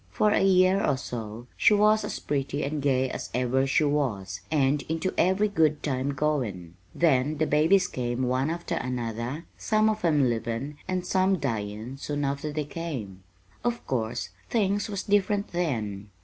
For a year or so she was as pretty and gay as ever she was and into every good time goin'; then the babies came, one after another, some of 'em livin' and some dyin' soon after they came. "Of course, things was different then.